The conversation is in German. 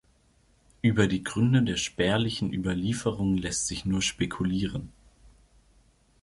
Über die Gründe der spärlichen Überlieferung lässt sich nur spekulieren.